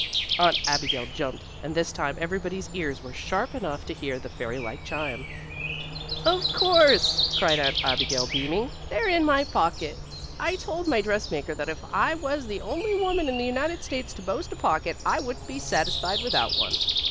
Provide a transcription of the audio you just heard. Aunt Abigail jumped, and this time everybody's ears were sharp enough to hear the fairy like chime. "Of course," cried Aunt Abigail beaming. "They're in the pocket. I told my dressmaker that if I was the only woman in the United States to boast a pocket, I wouldn't be satisfied without one.